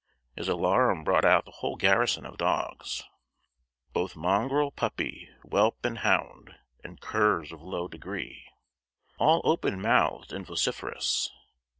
His alarum brought out the whole garrison of dogs: "Both mongrel, puppy, whelp, and hound, And curs of low degree;" all open mouthed and vociferous.